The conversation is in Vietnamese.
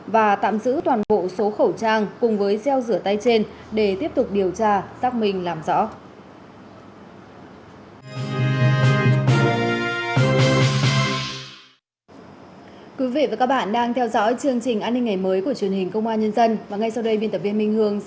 và tạm giữ toàn bộ số khẩu trang cùng với gieo rửa tay trên để tiếp tục điều tra xác minh làm rõ